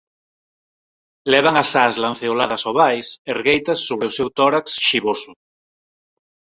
Levan as ás lanceoladas ovais ergueitas sobre o seu tórax xiboso.